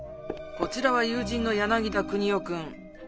こちらは友人の柳田国男くん。